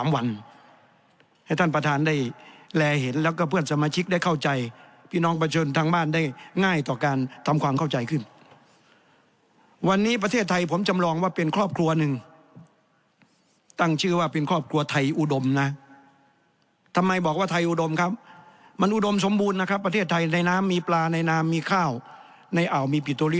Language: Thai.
ให้ท่านประธานได้แลเห็นแล้วก็เพื่อนสมาชิกได้เข้าใจพี่น้องประชาชนทางบ้านได้ง่ายต่อการทำความเข้าใจขึ้นวันนี้ประเทศไทยผมจำลองว่าเป็นครอบครัวหนึ่งตั้งชื่อว่าเป็นครอบครัวไทยอุดมนะทำไมบอกว่าไทยอุดมครับมันอุดมสมบูรณ์นะครับประเทศไทยในน้ำมีปลาในน้ำมีข้าวในอ่าวมีปิโต